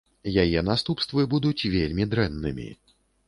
Яе наступствы будуць вельмі дрэннымі.